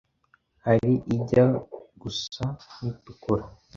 hari ijya gusa n’itukura,